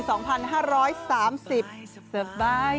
สบาย